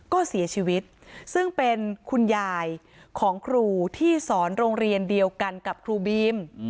ก็เสียชีวิตซึ่งเป็นคุณยายของครูที่สอนโรงเรียนเดียวกันกับครูบีม